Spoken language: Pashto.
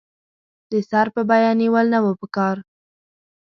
د سر په بیه نېول نه وو پکار.